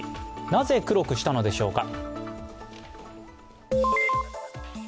なぜ、黒くしたのでしょうか？